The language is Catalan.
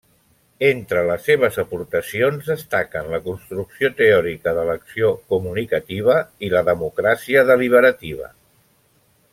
Entre les seves aportacions destaquen la construcció teòrica de l'acció comunicativa i la democràcia deliberativa.